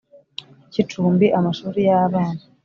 Cy icumbi amashuri y abana